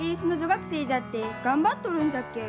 学生じゃって頑張っとるんじゃけえ。